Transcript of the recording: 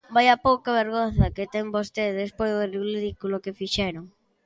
¡Vaia pouca vergonza que ten vostede, despois do ridículo que fixeron!